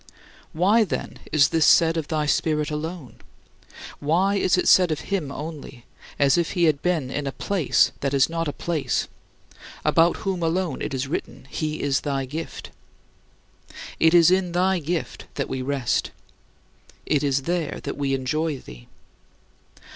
Why, then, is this said of thy Spirit alone? Why is it said of him only as if he had been in a "place" that is not a place about whom alone it is written, "He is thy gift"? It is in thy gift that we rest. It is there that we enjoy thee.